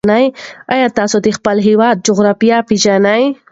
ایا تاسې د خپل هېواد جغرافیه پېژنئ؟